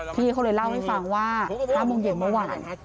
พี่เขาเลยเล่าให้ฟังว่า๕โมงเย็นเมื่อวาน